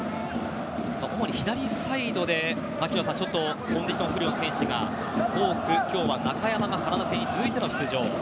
主に左サイドで槙野さんコンディション不良の選手が多く今日は中山がカナダ戦に続いての出場。